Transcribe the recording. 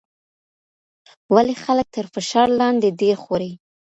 ولې خلک تر فشار لاندې ډېر خوري؟